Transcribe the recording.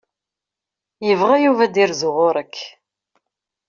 Yebɣa Yuba ad d-irzu ɣur-k.